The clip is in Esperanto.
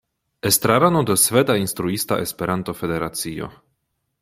Estrarano de Sveda Instruista Esperanto-Federacio.